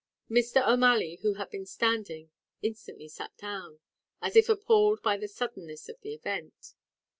Mr. O'Malley, who had been standing, instantly sat down, as if appalled by the suddenness of the event.